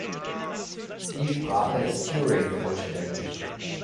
Die Sprache ist Turing-vollständig.